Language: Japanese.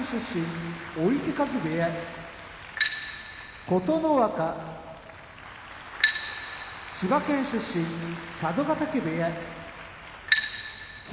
追手風部屋琴ノ若千葉県出身佐渡ヶ嶽部屋霧